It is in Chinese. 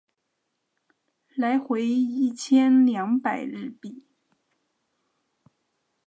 来回一千两百日币